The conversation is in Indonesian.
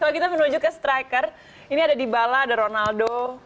kalau kita menuju ke striker ini ada dybala ada ronaldo